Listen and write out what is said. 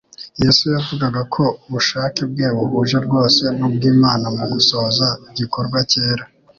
Yesu yavugaga ko ubushake bwe buhuje rwose n'ubw'Imana mu gusohoza igikorwa cyera,